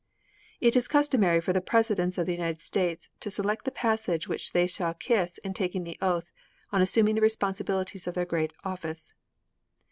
VII It is customary for the Presidents of the United States to select the passage which they shall kiss in taking the oath on assuming the responsibilities of their great office.